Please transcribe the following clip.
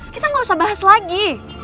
kita gak usah bahas lagi